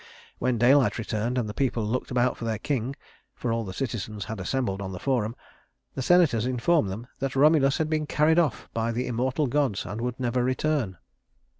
When daylight returned, and the people looked about for their king, for all the citizens had assembled on the Forum, the senators informed them that Romulus had been carried off by the immortal gods and would never return.